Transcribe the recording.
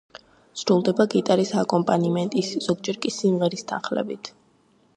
სრულდება გიტარის აკომპანიმენტის, ზოგჯერ კი სიმღერის თანხლებით.